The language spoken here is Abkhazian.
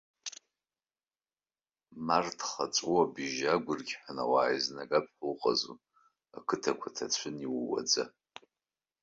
Марҭх, аҵәыуабжь агәырқьҳәа ауаа еизнагап ҳәа уҟазу, ақыҭақәа ҭацәын иууаӡа.